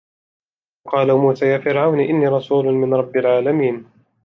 وقال موسى يا فرعون إني رسول من رب العالمين